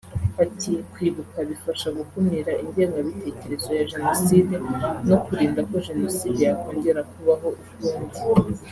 Ati “Kwibuka bifasha gukumira ingengabitekerezo ya Jenoside no kurinda ko jenoside yakongera kubaho ukundi